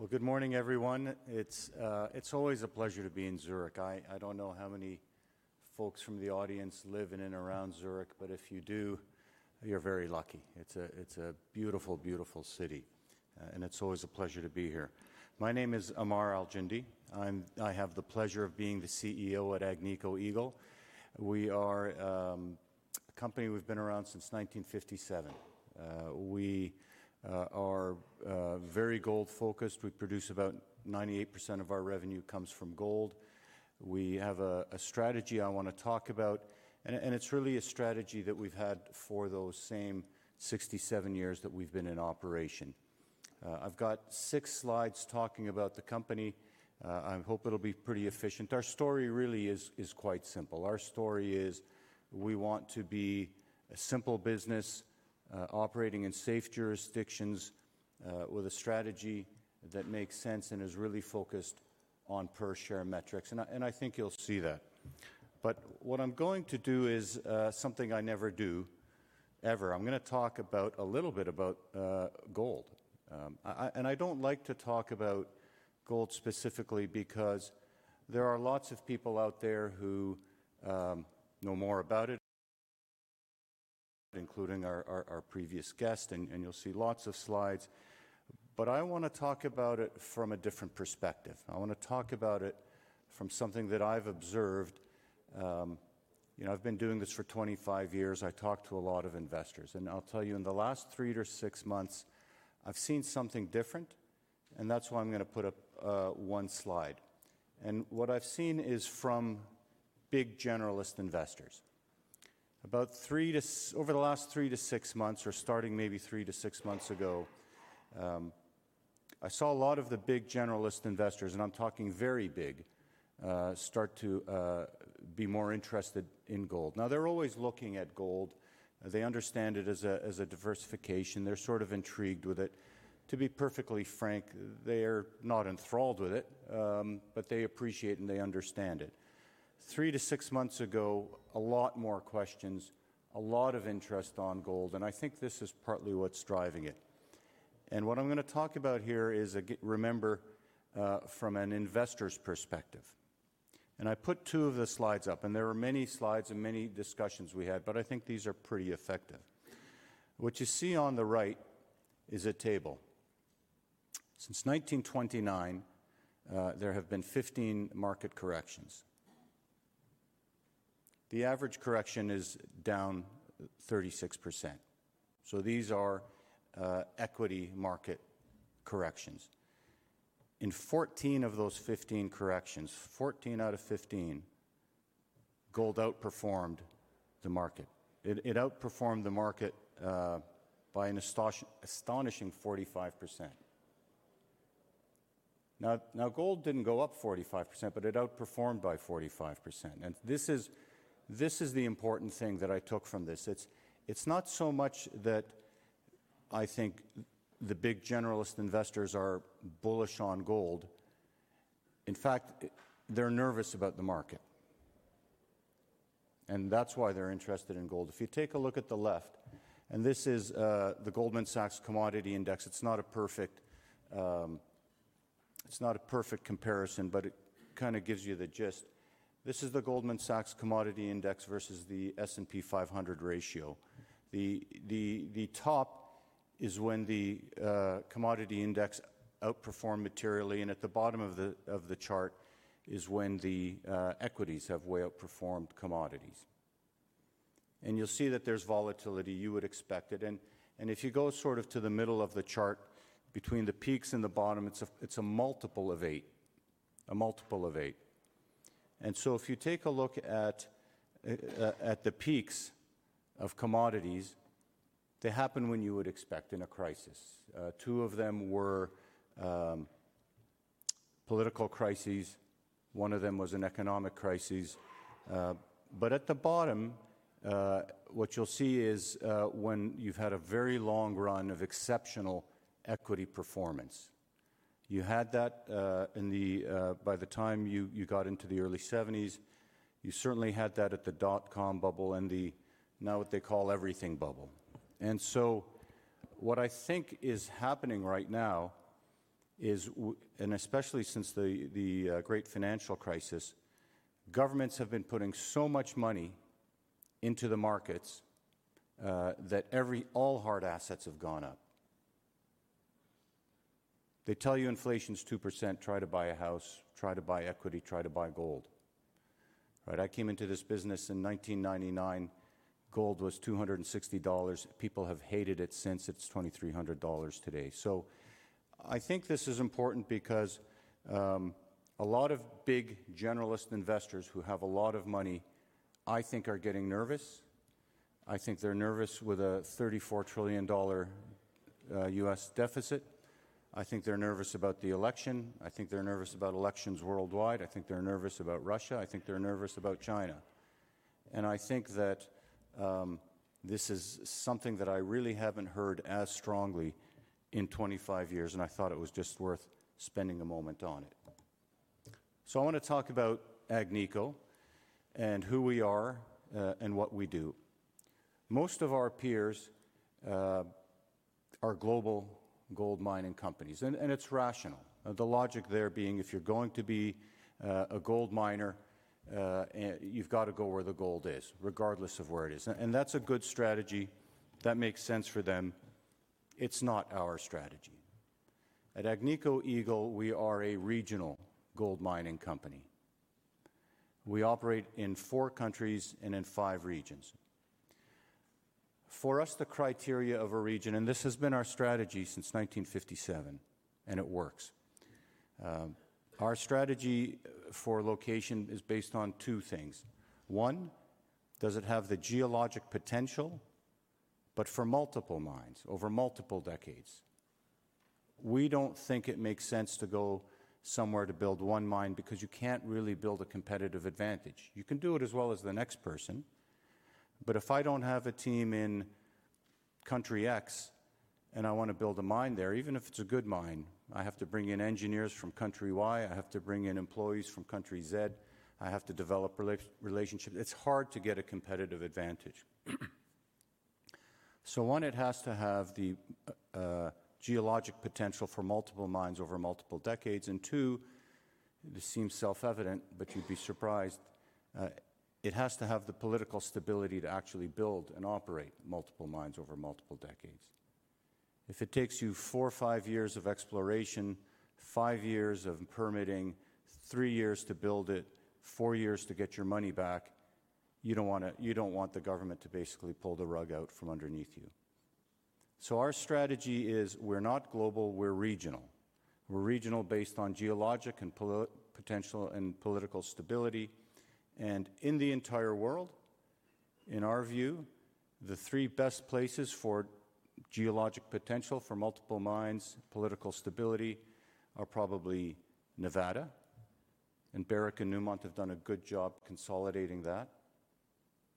Well, good morning, everyone. It's always a pleasure to be in Zurich. I don't know how many folks from the audience live and in and around Zurich, but if you do, you're very lucky. It's a beautiful, beautiful city, and it's always a pleasure to be here. My name is Ammar Al-Joundi. I have the pleasure of being the CEO at Agnico Eagle. We are a company we've been around since 1957. We are very gold-focused. We produce about 98% of our revenue comes from gold. We have a strategy I want to talk about, and it's really a strategy that we've had for those same 67 years that we've been in operation. I've got six slides talking about the company. I hope it'll be pretty efficient. Our story really is quite simple. Our story is we want to be a simple business operating in safe jurisdictions with a strategy that makes sense and is really focused on per-share metrics, and I think you'll see that. But what I'm going to do is something I never do, ever. I'm going to talk a little bit about gold. And I don't like to talk about gold specifically because there are lots of people out there who know more about it, including our previous guest, and you'll see lots of slides. But I want to talk about it from a different perspective. I want to talk about it from something that I've observed. I've been doing this for 25 years. I talk to a lot of investors. And I'll tell you, in the last three to six months, I've seen something different, and that's why I'm going to put up one slide. What I've seen is from big generalist investors. Over the last three to six months, or starting maybe three to six months ago, I saw a lot of the big generalist investors, and I'm talking very big, start to be more interested in gold. Now, they're always looking at gold. They understand it as a diversification. They're sort of intrigued with it. To be perfectly frank, they are not enthralled with it, but they appreciate and they understand it. Three to six months ago, a lot more questions, a lot of interest on gold, and I think this is partly what's driving it. What I'm going to talk about here is, remember, from an investor's perspective. I put two of the slides up, and there were many slides and many discussions we had, but I think these are pretty effective. What you see on the right is a table. Since 1929, there have been 15 market corrections. The average correction is down 36%. So these are equity market corrections. In 14 of those 15 corrections, 14 out of 15, gold outperformed the market. It outperformed the market by an astonishing 45%. Now, gold didn't go up 45%, but it outperformed by 45%. And this is the important thing that I took from this. It's not so much that I think the big generalist investors are bullish on gold. In fact, they're nervous about the market, and that's why they're interested in gold. If you take a look at the left, and this is the Goldman Sachs Commodity Index, it's not a perfect comparison, but it kind of gives you the gist. This is the Goldman Sachs Commodity Index versus the S&P 500 ratio. The top is when the commodity index outperformed materially, and at the bottom of the chart is when the equities have way outperformed commodities. And you'll see that there's volatility. You would expect it. And if you go sort of to the middle of the chart, between the peaks and the bottom, it's a multiple of eight, a multiple of eight. And so if you take a look at the peaks of commodities, they happen when you would expect in a crisis. Two of them were political crises. One of them was an economic crisis. But at the bottom, what you'll see is when you've had a very long run of exceptional equity performance. You had that by the time you got into the early 1970s. You certainly had that at the dot-com bubble [ND] and the now what they call everything bubble. What I think is happening right now is, and especially since the great financial crisis, governments have been putting so much money into the markets that all hard assets have gone up. They tell you inflation's 2%. Try to buy a house. Try to buy equity. Try to buy gold. All right? I came into this business in 1999. Gold was $260. People have hated it since. It's $2,300 today. I think this is important because a lot of big generalist investors who have a lot of money, I think, are getting nervous. I think they're nervous with a $34 trillion U.S. deficit. I think they're nervous about the election. I think they're nervous about elections worldwide. I think they're nervous about Russia. I think they're nervous about China. I think that this is something that I really haven't heard as strongly in 25 years, and I thought it was just worth spending a moment on it. So I want to talk about Agnico and who we are and what we do. Most of our peers are global gold mining companies, and it's rational, the logic there being, if you're going to be a gold miner, you've got to go where the gold is, regardless of where it is. And that's a good strategy. That makes sense for them. It's not our strategy. At Agnico Eagle, we are a regional gold mining company. We operate in four countries and in five regions. For us, the criteria of a region, and this has been our strategy since 1957, and it works, our strategy for location is based on two things. 1, does it have the geologic potential, but for multiple mines over multiple decades? We don't think it makes sense to go somewhere to build one mine because you can't really build a competitive advantage. You can do it as well as the next person, but if I don't have a team in country X and I want to build a mine there, even if it's a good mine, I have to bring in engineers from country Y. I have to bring in employees from country Z. I have to develop relationships. It's hard to get a competitive advantage. So one, it has to have the geologic potential for multiple mines over multiple decades. And two, this seems self-evident, but you'd be surprised, it has to have the political stability to actually build and operate multiple mines over multiple decades. If it takes you four five years of exploration, five years of permitting, three years to build it, four years to get your money back, you don't want the government to basically pull the rug out from underneath you. So our strategy is we're not global. We're regional. We're regional based on geologic and political stability. And in the entire world, in our view, the three best places for geologic potential for multiple mines, political stability, are probably Nevada and Barrick and Newmont have done a good job consolidating that.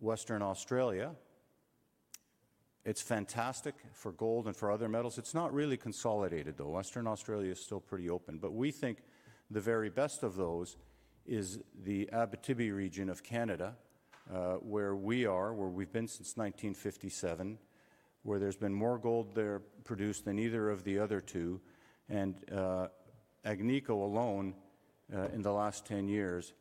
Western Australia, it's fantastic for gold and for other metals. It's not really consolidated, though. Western Australia is still pretty open. But we think the very best of those is the Abitibi region of Canada where we are, where we've been since 1957, where there's been more gold there produced than either of the other two. And Agnico alone, in the last 10 years,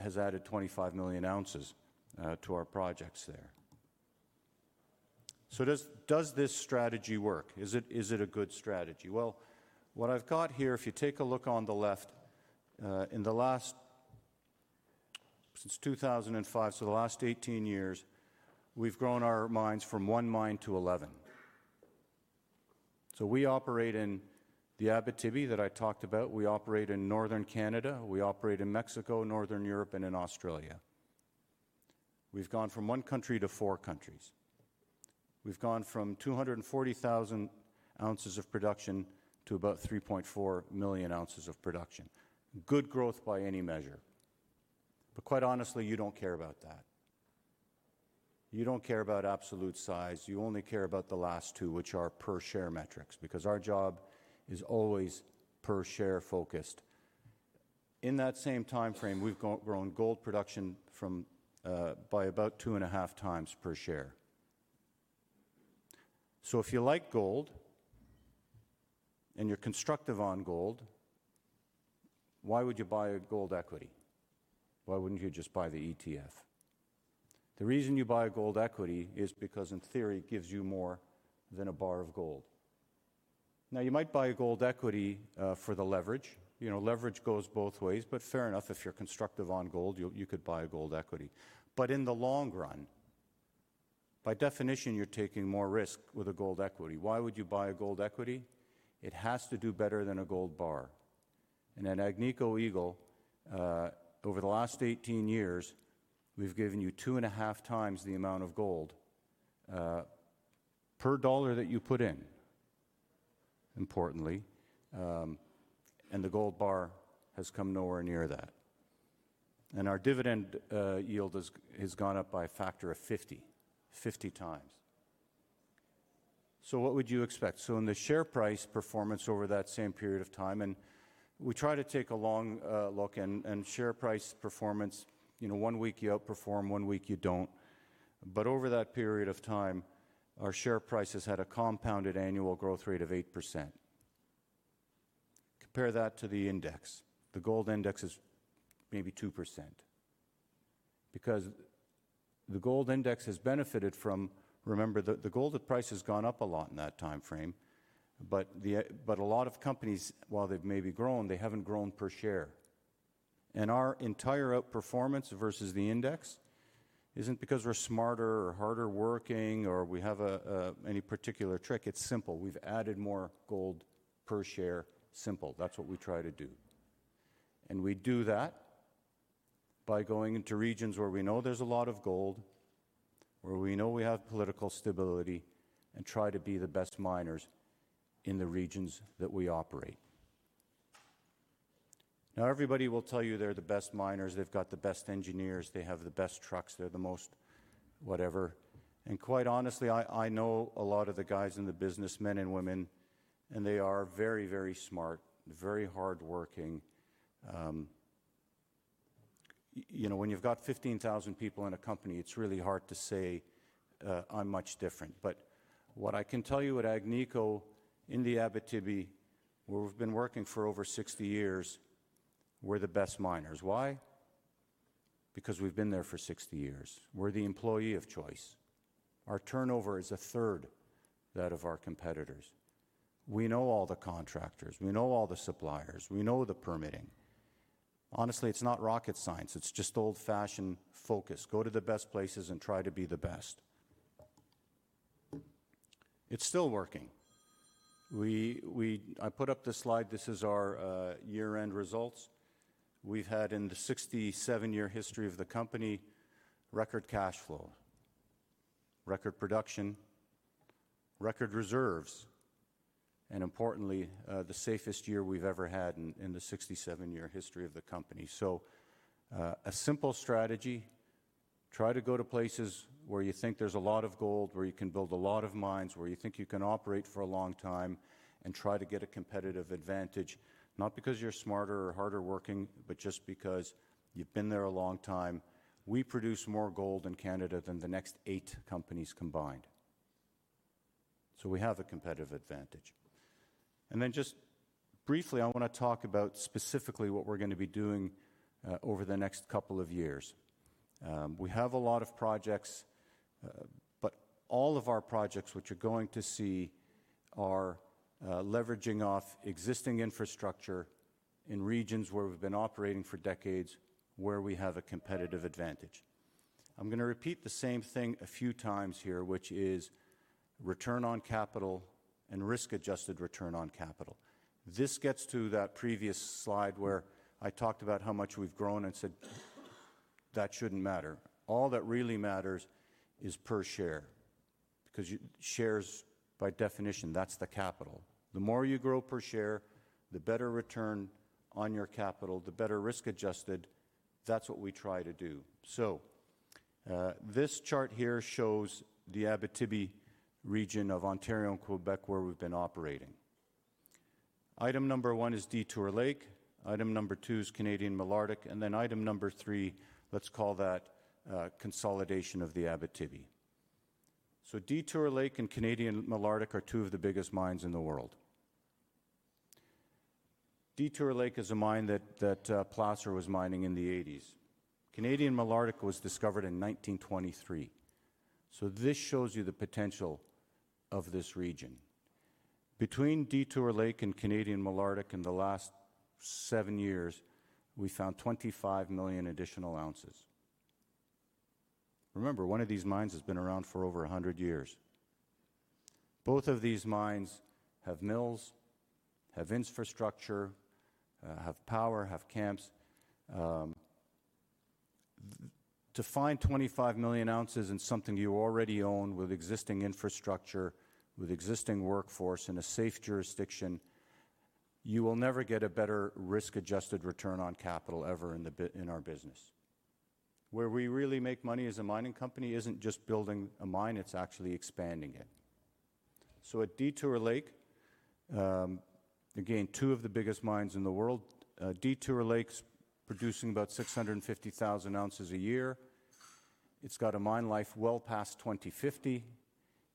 has added 25 million ounces to our projects there. So does this strategy work? Is it a good strategy? Well, what I've got here, if you take a look on the left, since 2005, so the last 18 years, we've grown our mines from one mine to 11. So we operate in the Abitibi that I talked about. We operate in northern Canada. We operate in Mexico, northern Europe, and in Australia. We've gone from one country to four countries. We've gone from 240,000 ounces of production to about 3.4 million ounces of production, good growth by any measure. But quite honestly, you don't care about that. You don't care about absolute size. You only care about the last two, which are per-share metrics, because our job is always per-share focused. In that same time frame, we've grown gold production by about 2.5 times per share. So if you like gold and you're constructive on gold, why would you buy a gold equity? Why wouldn't you just buy the ETF? The reason you buy a gold equity is because, in theory, it gives you more than a bar of gold. Now, you might buy a gold equity for the leverage. Leverage goes both ways, but fair enough, if you're constructive on gold, you could buy a gold equity. But in the long run, by definition, you're taking more risk with a gold equity. Why would you buy a gold equity? It has to do better than a gold bar. At Agnico Eagle, over the last 18 years, we've given you 2.5 times the amount of gold per dollar that you put in, importantly, and the gold bar has come nowhere near that. Our dividend yield has gone up by a factor of 50, 50 times. What would you expect? In the share price performance over that same period of time, we try to take a long look, and share price performance, one week you outperform, one week you don't. But over that period of time, our share price has had a compounded annual growth rate of 8%. Compare that to the index. The gold index is maybe 2% because the gold index has benefited from, remember, the gold price has gone up a lot in that time frame, but a lot of companies, while they've maybe grown, they haven't grown per share. Our entire outperformance versus the index isn't because we're smarter or harder working or we have any particular trick. It's simple. We've added more gold per share. Simple. That's what we try to do. And we do that by going into regions where we know there's a lot of gold, where we know we have political stability, and try to be the best miners in the regions that we operate. Now, everybody will tell you they're the best miners. They've got the best engineers. They have the best trucks. They're the most whatever. And quite honestly, I know a lot of the guys and the businessmen and women, and they are very, very smart, very hardworking. When you've got 15,000 people in a company, it's really hard to say, "I'm much different." But what I can tell you at Agnico, in the Abitibi, where we've been working for over 60 years, we're the best miners. Why? Because we've been there for 60 years. We're the employee of choice. Our turnover is a third that of our competitors. We know all the contractors. We know all the suppliers. We know the permitting. Honestly, it's not rocket science. It's just old-fashioned focus. Go to the best places and try to be the best. It's still working. I put up this slide. This is our year-end results. We've had, in the 67-year history of the company, record cash flow, record production, record reserves, and importantly, the safest year we've ever had in the 67-year history of the company. So a simple strategy: try to go to places where you think there's a lot of gold, where you can build a lot of mines, where you think you can operate for a long time, and try to get a competitive advantage, not because you're smarter or harder working, but just because you've been there a long time. We produce more gold in Canada than the next eight companies combined. So we have a competitive advantage. And then just briefly, I want to talk about specifically what we're going to be doing over the next couple of years. We have a lot of projects, but all of our projects, which you're going to see, are leveraging off existing infrastructure in regions where we've been operating for decades, where we have a competitive advantage. I'm going to repeat the same thing a few times here, which is return on capital and risk-adjusted return on capital. This gets to that previous slide where I talked about how much we've grown and said, "That shouldn't matter." All that really matters is per share because shares, by definition, that's the capital. The more you grow per share, the better return on your capital, the better risk-adjusted, that's what we try to do. So this chart here shows the Abitibi region of Ontario and Quebec where we've been operating. Item number one is Detour Lake. Item number two is Canadian Malartic. And then item number three, let's call that consolidation of the Abitibi. So Detour Lake and Canadian Malartic are two of the biggest mines in the world. Detour Lake is a mine that Placer was mining in the '80s. Canadian Malartic was discovered in 1923. So this shows you the potential of this region. Between Detour Lake and Canadian Malartic in the last seven years, we found 25 million additional ounces. Remember, one of these mines has been around for over 100 years. Both of these mines have mills, have infrastructure, have power, have camps. To find 25 million ounces in something you already own with existing infrastructure, with existing workforce, in a safe jurisdiction, you will never get a better risk-adjusted return on capital ever in our business. Where we really make money as a mining company isn't just building a mine. It's actually expanding it. So at Detour Lake, again, two of the biggest mines in the world, Detour Lake's producing about 650,000 ounces a year. It's got a mine life well past 2050.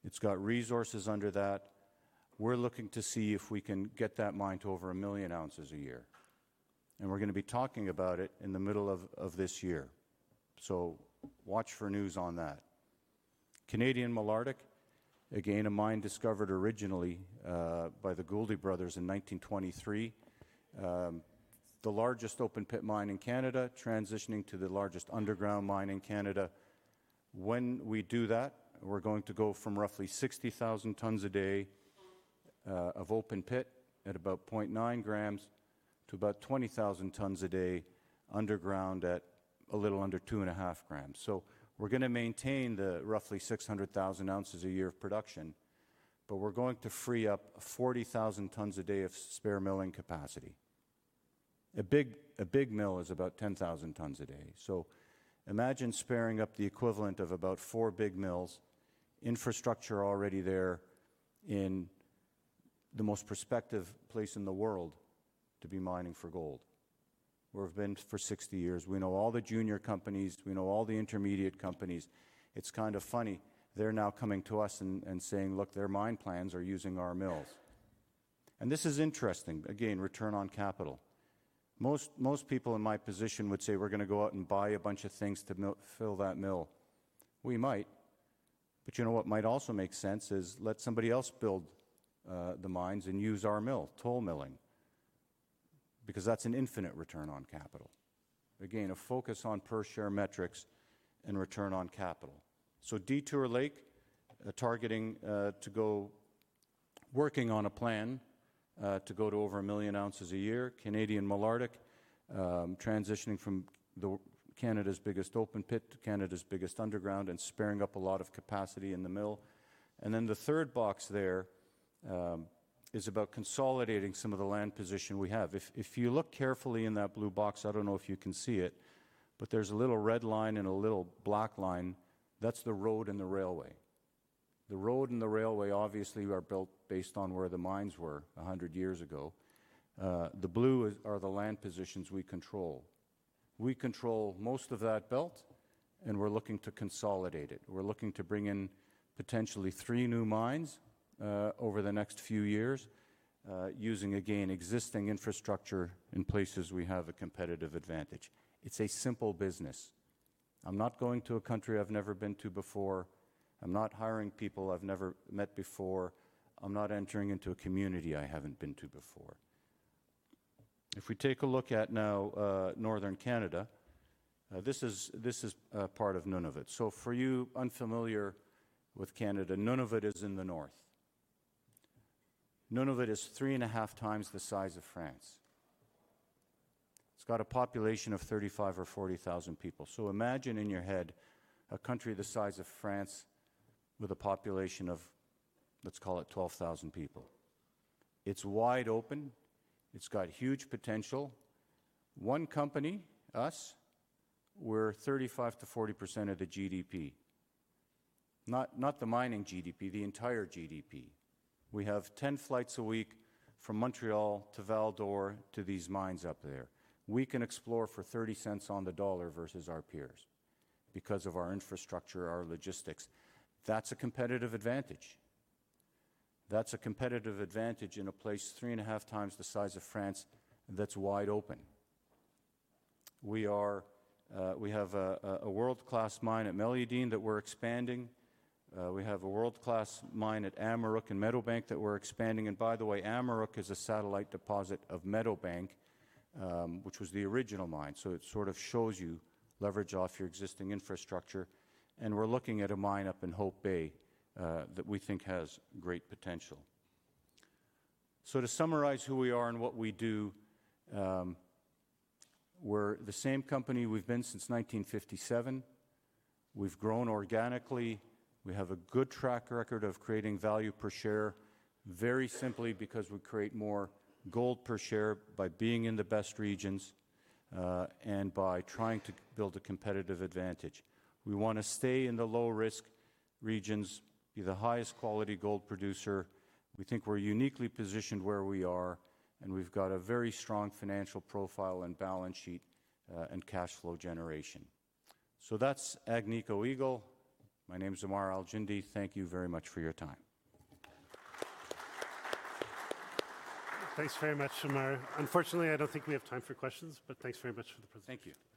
It's got resources under that. We're looking to see if we can get that mine to over 1 million ounces a year. We're going to be talking about it in the middle of this year. Watch for news on that. Canadian Malartic, again, a mine discovered originally by the Gouldie brothers in 1923, the largest open-pit mine in Canada, transitioning to the largest underground mine in Canada. When we do that, we're going to go from roughly 60,000 tons a day of open pit at about 0.9 grams to about 20,000 tons a day underground at a little under 2.5 grams. We're going to maintain the roughly 600,000 ounces a year of production, but we're going to free up 40,000 tons a day of spare milling capacity. A big mill is about 10,000 tons a day. So imagine sparing up the equivalent of about four big mills, infrastructure already there in the most prospective place in the world to be mining for gold. We've been for 60 years. We know all the junior companies. We know all the intermediate companies. It's kind of funny. They're now coming to us and saying, "Look, their mine plans are using our mills." And this is interesting. Again, return on capital. Most people in my position would say, "We're going to go out and buy a bunch of things to fill that mill." We might. But you know what might also make sense is let somebody else build the mines and use our mill, toll milling, because that's an infinite return on capital. Again, a focus on per-share metrics and return on capital. So Detour Lake, targeting to go working on a plan to go to over 1 million ounces a year, Canadian Malartic, transitioning from Canada's biggest open pit to Canada's biggest underground and freeing up a lot of capacity in the mill. And then the third box there is about consolidating some of the land position we have. If you look carefully in that blue box, I don't know if you can see it, but there's a little red line and a little black line. That's the road and the railway. The road and the railway, obviously, are built based on where the mines were 100 years ago. The blue are the land positions we control. We control most of that belt, and we're looking to consolidate it. We're looking to bring in potentially three new mines over the next few years using, again, existing infrastructure in places we have a competitive advantage. It's a simple business. I'm not going to a country I've never been to before. I'm not hiring people I've never met before. I'm not entering into a community I haven't been to before. If we take a look at now northern Canada, this is part of Nunavut. So for you unfamiliar with Canada, Nunavut is in the north. Nunavut is 3.5 times the size of France. It's got a population of 35,000 or 40,000 people. So imagine in your head a country the size of France with a population of, let's call it, 12,000 people. It's wide open. It's got huge potential. One company, us, we're 35%-40% of the GDP, not the mining GDP, the entire GDP. We have 10 flights a week from Montreal to Val-d'Or to these mines up there. We can explore for $0.30 on the dollar versus our peers because of our infrastructure, our logistics. That's a competitive advantage. That's a competitive advantage in a place three and a half times the size of France that's wide open. We have a world-class mine at Meliadine that we're expanding. We have a world-class mine at Amaruq and Meadowbank that we're expanding. And by the way, Amaruq is a satellite deposit of Meadowbank, which was the original mine. So it sort of shows you leverage off your existing infrastructure. And we're looking at a mine up in Hope Bay that we think has great potential. So to summarize who we are and what we do, we're the same company we've been since 1957. We've grown organically. We have a good track record of creating value per share, very simply because we create more gold per share by being in the best regions and by trying to build a competitive advantage. We want to stay in the low-risk regions, be the highest-quality gold producer. We think we're uniquely positioned where we are, and we've got a very strong financial profile and balance sheet and cash flow generation. So that's Agnico Eagle. My name's Ammar Al-Joundi. Thank you very much for your time. Thanks very much, Ammar. Unfortunately, I don't think we have time for questions, but thanks very much for the presentation. Thank you.